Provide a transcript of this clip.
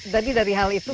jadi dari hal itu